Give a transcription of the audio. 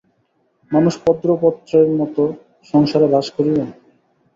মানুষ পদ্মপত্রের মত সংসারে বাস করিবে।